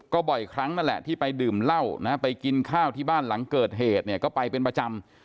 ก็บ่อยครั้งนั่นแหละที่ไปดื่มเหล้านะไปกินข้าวที่บ้านหลังเกิดเหตุเนี่ยก็ไปเป็นประจำ